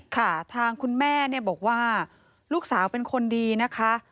ค่ะทางคุณแม่เนี่ยบอกว่าลูกสาวเป็นคนดีนะคะ